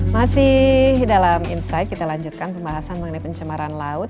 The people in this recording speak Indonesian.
masih dalam insight kita lanjutkan pembahasan mengenai pencemaran laut